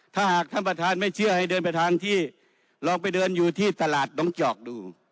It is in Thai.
ถ้าหากท่านประธานไม่เชื่อให้เดินไปทางที่ลองไปเดินอยู่ที่ตลาดน้องจอกดู